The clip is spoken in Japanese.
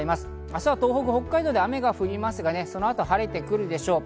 明日は東北、北海道で雨が降りますが、その後晴れてくるでしょう。